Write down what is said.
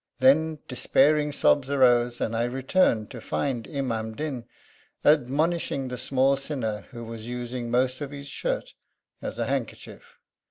Then despairing sobs arose, and I returned to find Imam Din admonishing the small sinner who was using most of his shirt as a handkerchief.